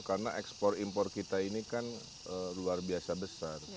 karena ekspor impor kita ini kan luar biasa besar